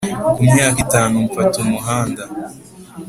ku myaka itanu mfata umuhanda,